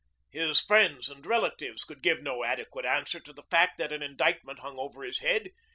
His friends and relatives could give no adequate answer to the fact that an indictment hung over his head.